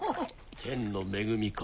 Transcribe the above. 天の恵みか。